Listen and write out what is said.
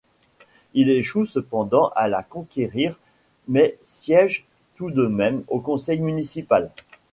Il échoue cependant à la conquérir mais siège tout de même au conseil municipal.